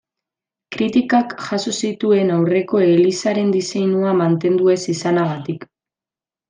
Kritikak jaso zituen aurreko elizaren diseinua mantendu ez izanagatik.